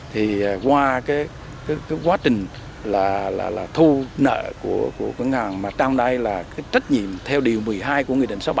thì qua cái quá trình là thu nợ của ngân hàng mà trong đây là cái trách nhiệm theo điều một mươi hai của nghị định sáu mươi bảy